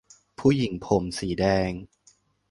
ผู้หญิงผมสีแดง !